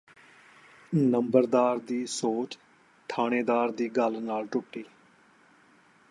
ਨੰਬਰਦਾਰ ਦੀ ਸੋਚ ਠਾਣੇਦਾਰ ਦੀ ਗੱਲ ਨਾਲ ਟੁੱਟੀ